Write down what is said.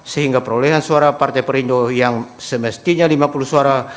sehingga perolehan suara partai perindo yang semestinya lima puluh suara